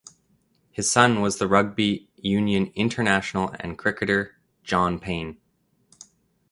His son was the rugby union international and cricketer John Payne.